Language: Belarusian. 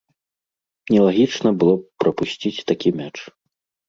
Нелагічна было б прапусціць такі мяч.